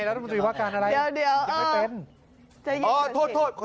นัธมนตรีว่าการอะไร